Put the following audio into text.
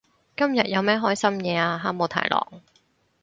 今日有咩開心嘢啊哈姆太郎？